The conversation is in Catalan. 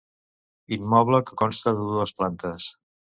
Immoble que consta de dues plantes.